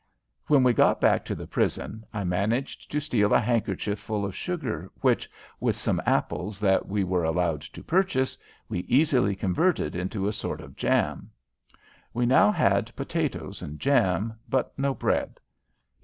When we got back to the prison I managed to steal a handkerchief full of sugar which, with some apples that we were allowed to purchase, we easily converted into a sort of jam. We now had potatoes and jam, but no bread.